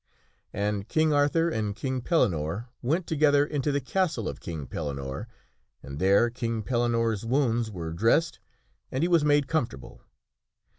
And King Arthur and King Pellinore went together into the castle of King Pellinore, and there King Pellinore' s wounds were dressed and he was made comfortable.